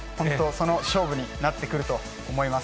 その勝負になってくると思います。